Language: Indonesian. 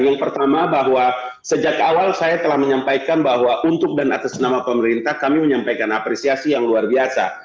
yang pertama bahwa sejak awal saya telah menyampaikan bahwa untuk dan atas nama pemerintah kami menyampaikan apresiasi yang luar biasa